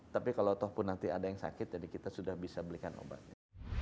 tapi kalau toh pun nanti ada yang sakit jadi kita sudah bisa belikan obatnya